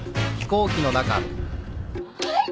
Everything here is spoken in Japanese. はい。